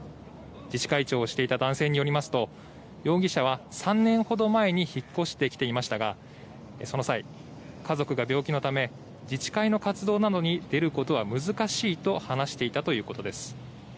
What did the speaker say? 自治会長をしていた男性によりますと容疑者は３年ほど前に引っ越してきていましたがその際、家族が病気のため自治会の活動などに出ることは難しいと話していたということです。